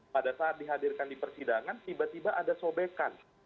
pada saat dihadirkan di persidangan tiba tiba ada sobekan